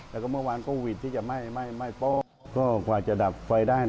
แล้วก็เมื่อวานโควิดที่จะไหม้โป๊ะก็กว่าจะดับไฟได้